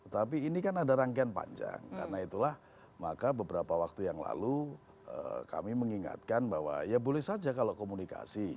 tapi ini kan ada rangkaian panjang karena itulah maka beberapa waktu yang lalu kami mengingatkan bahwa ya boleh saja kalau komunikasi